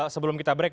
sebelum kita break